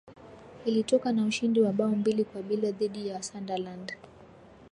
ilitoka na ushindi wa bao mbili kwa bila dhidi ya sunderland